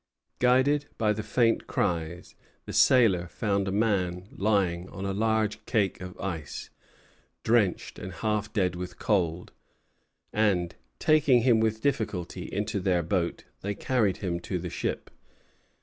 Guided by the faint cries, the sailors found a man lying on a large cake of ice, drenched, and half dead with cold; and, taking him with difficulty into their boat, they carried him to the ship.